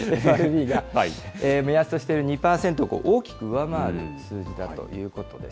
目安としている２％を大きく上回る数字だということです。